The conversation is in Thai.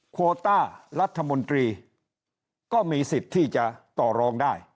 โคต้ารัฐมนตรีก็มีสิทธิ์ที่จะต่อรองได้